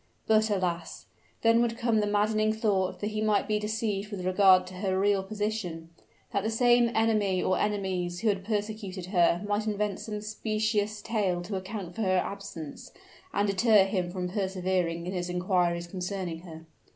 But, alas! then would come the maddening thought that he might be deceived with regard to her real position; that the same enemy or enemies who had persecuted her might invent some specious tale to account for her absence, and deter him from persevering in his inquiries concerning her.